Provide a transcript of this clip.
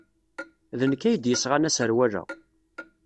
D nekk ay d-yesɣan aserwal-a.